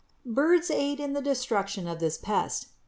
_ Birds aid in the destruction of this pest.